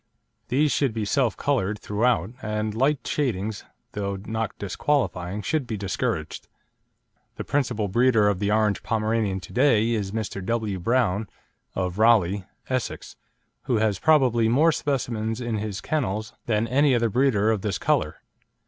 These should be self coloured throughout, and light shadings, though not disqualifying, should be discouraged. The principal breeder of the orange Pomeranian to day is Mr. W. Brown, of Raleigh, Essex, who has probably more specimens in his kennels than any other breeder of this colour.